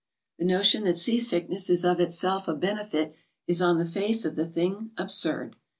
The notion that seasickness is of itself a benefit, is, on the face of the thing, absurd.